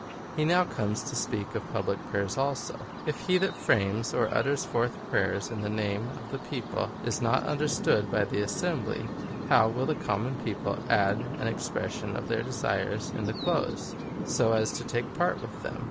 He now comes to speak of public prayers also. " If he that frames or utters forth praj^ers in the name of the people is not understood by the assembly, how will the common people add an expression of their desires in the close, so as to take part in them